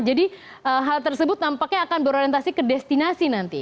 jadi hal tersebut nampaknya akan berorientasi ke destinasi nanti